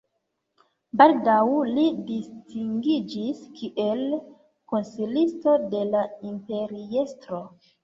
Baldaŭ li distingiĝis kiel konsilisto de la imperiestro.